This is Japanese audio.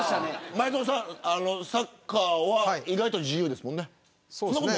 サッカーは意外と自由ですもんね。